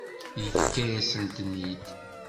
Yefka-yasent-ten-id.